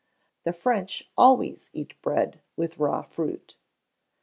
The French always eat bread with raw fruit.